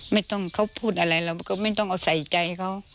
ไม่ต้องเขาพูดอะไรเราก็ไม่ต้องเอาใส่ใจเขา